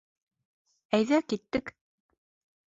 Әйҙә, киттек!